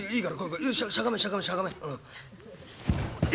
よししゃがめしゃがめしゃがめ」。